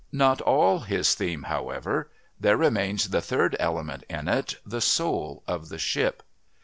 Not all his theme, however; there remains the third element in it, the soul of the ship.